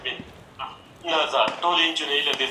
اسلامي نظام ته فرسوده يا بيکاره نظام ويل کفر دی.